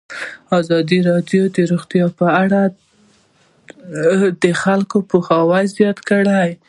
ازادي راډیو د روغتیا په اړه د خلکو پوهاوی زیات کړی.